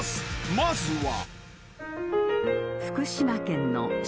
［まずは］